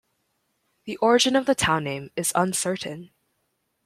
The origin of the town name is uncertain.